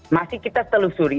masih kita telusuri